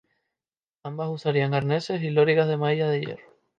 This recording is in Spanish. Ambas usarían arneses y loriga de malla de hierro.